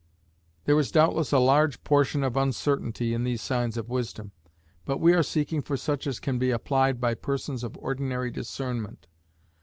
There is doubtless a large portion of uncertainty in these signs of wisdom; but we are seeking for such as can be applied by persons of ordinary discernment.